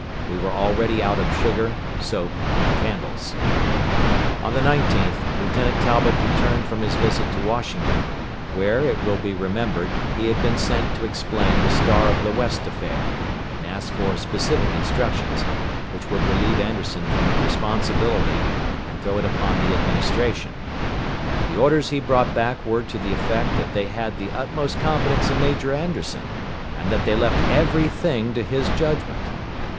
We were already out of sugar, soap, and candles. On the 19th, Lieutenant Talbot returned from his visit to Washington, where, it will be remembered, he had been sent to explain the Star of the West affair, and ask for specific instructions, which would relieve Anderson from the responsibility, and throw it upon the Administration. The orders he brought back were to the effect that they had the utmost confidence in Major Anderson, and that they left every thing to his judgment.